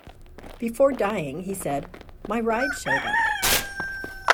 Before dying, he said: My ride showed up.